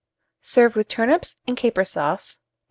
Serve with turnips and caper sauce, No.